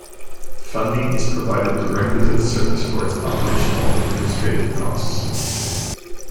Funding is provided directly to the service for its operational administrative costs.